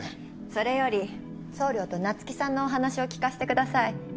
それより総領と那月さんのお話を聞かせてください。